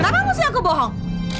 wah kenapa mesti aku bohong